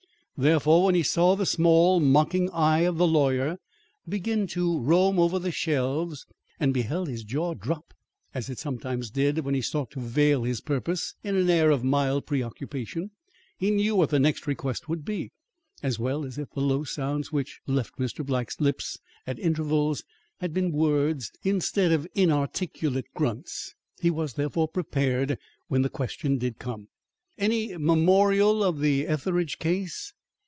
Therefore, when he saw the small, mocking eye of the lawyer begin to roam over the shelves, and beheld his jaw drop as it sometimes did when he sought to veil his purpose in an air of mild preoccupation, he knew what the next request would be, as well as if the low sounds which left Mr. Black's lips at intervals had been words instead of inarticulate grunts. He was, therefore, prepared when the question did come. "Any memorial of the Etheridge case?"